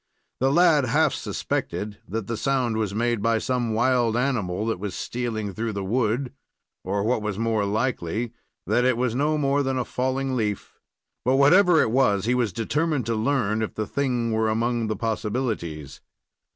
The lad half suspected that the sound was made by some wild animal that was stealing through the wood, or what was more likely, that it was no more than a falling leaf; but, whatever it was, he was determined to learn if the thing were among the possibilities.